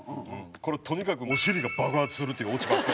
これとにかくお尻が爆発するっていうオチばっかり。